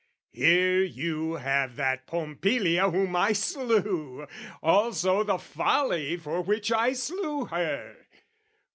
Here you have that Pompilia whom I slew, Also the folly for which I slew her!